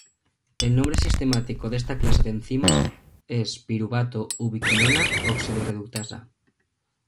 El nombre sistemático de esta clase de enzimas es piruvato:ubiquinona oxidorreductasa.